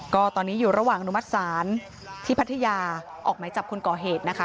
ก็ตอนนี้อยู่ระหว่างอนุมัติศาลที่พัทยาออกไหมจับคนก่อเหตุนะคะ